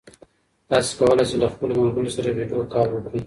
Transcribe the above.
تاسي کولای شئ له خپلو ملګرو سره ویډیو کال وکړئ.